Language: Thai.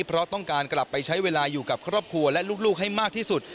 เพราะต้องการกลับไปใช้เวลาอยู่กับครอบครัวและลูกให้มากที่สุด